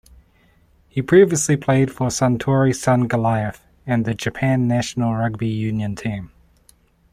He previously played for Suntory Sungoliath and the Japan national rugby union team.